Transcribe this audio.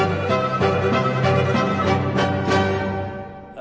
あ。